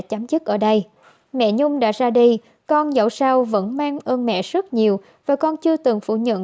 chấm dứt ở đây mẹ nhung đã ra đi con dẫu sao vẫn mang ơn mẹ rất nhiều và con chưa từng phủ nhận